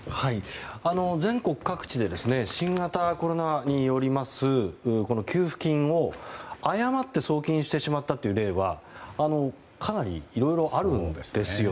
全国各地で新型コロナによります給付金を誤って送金してしまったという例はかなりいろいろあるんです。